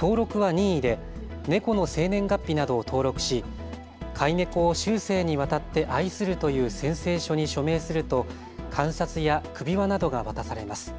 登録は任意でネコの生年月日などを登録し飼いネコを終生にわたって愛するという宣誓書に署名すると鑑札や首輪などが渡されます。